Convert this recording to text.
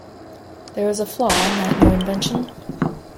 There is a flaw in that new invention.